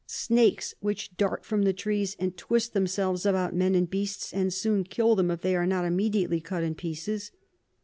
Snakes which dart from the Trees, and twist themselves about Men or Beasts, and soon kill 'em if they be not immediately cut in pieces.